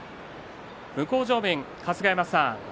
向正面、春日山さん